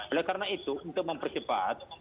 oleh karena itu untuk mempercepat